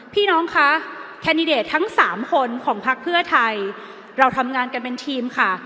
พี่น้องคะแคนดิเดตทั้งสามคนของพักเพื่อไทยเราทำงานกันเป็นทีมค่ะ